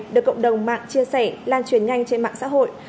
được cộng đồng mạng chia sẻ lan truyền nhanh trên mạng xã hội